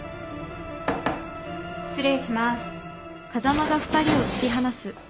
失礼します。